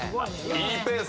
いいペース